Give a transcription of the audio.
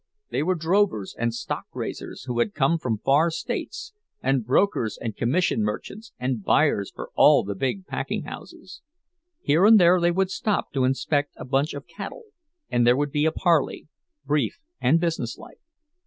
They were drovers and stock raisers, who had come from far states, and brokers and commission merchants, and buyers for all the big packing houses. Here and there they would stop to inspect a bunch of cattle, and there would be a parley, brief and businesslike.